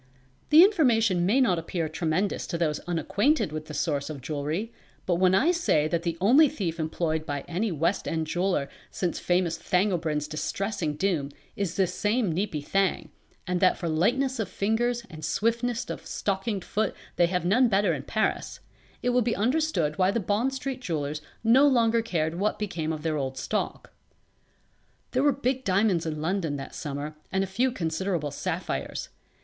The information may not appear tremendous to those unacquainted with the source of jewelry; but when I say that the only thief employed by any West end jeweller since famous Thangobrind's distressing doom is this same Neepy Thang, and that for lightness of fingers and swiftness of stockinged foot they have none better in Paris, it will be understood why the Bond Street jewellers no longer cared what became of their old stock. There were big diamonds in London that summer and a few considerable sapphires.